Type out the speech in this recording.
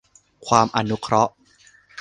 ความอนุเคราะห์